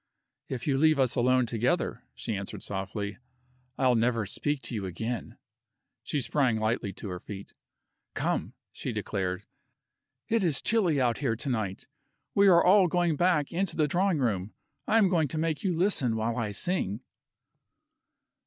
"If you leave us alone together," she answered softly, "I'll never speak to you again." She sprang lightly to her feet. "Come," she declared, "it is chilly out here to night. We are all going back into the drawing room. I am going to make you listen while I sing."